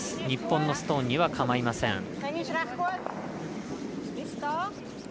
日本のストーンには構いません。